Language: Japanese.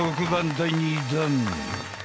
第２弾。